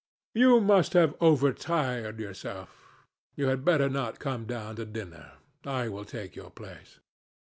You must have overtired yourself. You had better not come down to dinner. I will take your place."